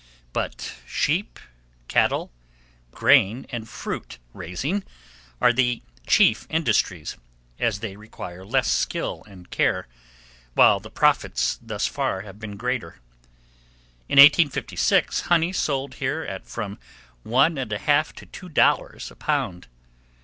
But sheep, cattle, grain, and fruit raising are the chief industries, as they require less skill and care, while the profits thus far have been greater. In 1856 honey sold here at from one and a half to two dollars per pound.